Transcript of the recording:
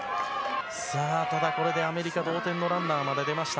さあ、ただ、これでアメリカ、同点のランナーまで出ました。